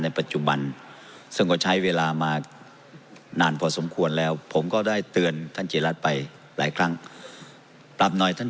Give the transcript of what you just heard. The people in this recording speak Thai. ขอประท้วงครับครับมีท่านประท้วงเรื่องอะไรครับ